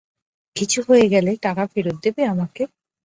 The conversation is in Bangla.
কিছু হয়ে গেলে, টাকা ফেরত দেবে আমাকে?